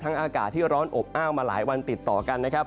อากาศที่ร้อนอบอ้าวมาหลายวันติดต่อกันนะครับ